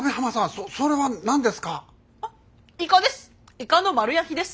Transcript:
イカです。